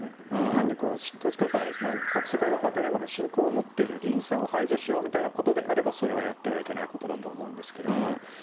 単に統一教会、世界平和家庭連合の信仰を持ってる議員さんを排除しようということであれば、それはやってはいけないことだと思うんですけれども。